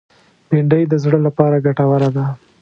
بېنډۍ د زړه لپاره ګټوره ده